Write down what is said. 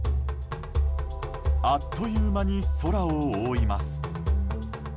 あっという間に空を覆います。